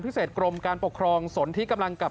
กรมการปกครองสนที่กำลังกับ